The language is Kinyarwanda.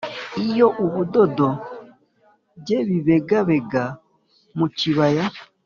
iyo ubudodo-g'ebibegabega mu kibaya